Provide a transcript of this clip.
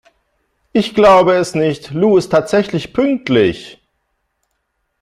Ich glaube es nicht, Lou ist tatsächlich pünktlich!